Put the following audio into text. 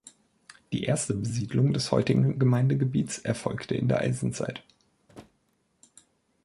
Die erste Besiedelung des heutigen Gemeindegebiets erfolgte in der Eisenzeit.